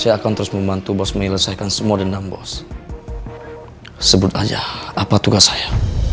saya akan terus membantu bos menyelesaikan semua dendam bos sebut aja apa tugas saya